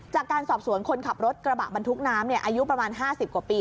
จากการสอบสวนคนขับรถกระบะบรรทุกน้ำอายุประมาณ๕๐กว่าปี